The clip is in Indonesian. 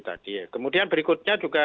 tadi kemudian berikutnya juga